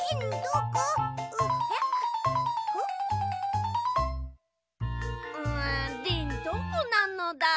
うんリンどこなのだ？